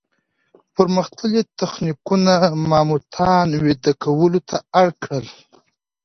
پرمختللي تخنیکونه ماموتان ویده کولو ته اړ کړل.